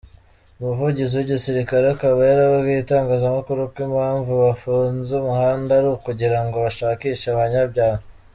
Umuvugizi w’Igisirikare akaba yarabwiye itangazamakuru ko impamvu bafunze umuhanda ari ukugirango bashakishe abanyabyaha.